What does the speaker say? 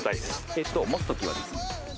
えっと持つ時はですね